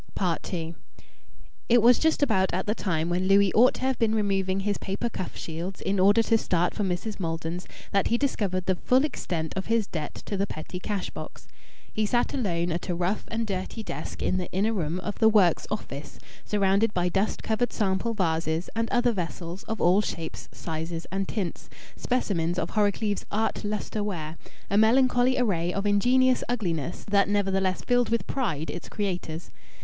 II It was just about at the time when Louis ought to have been removing his paper cuff shields in order to start for Mrs. Maldon's that he discovered the full extent of his debt to the petty cash box. He sat alone at a rough and dirty desk in the inner room of the works "office," surrounded by dust covered sample vases and other vessels of all shapes, sizes, and tints specimens of Horrocleave's "Art Lustre Ware," a melancholy array of ingenious ugliness that nevertheless filled with pride its creators.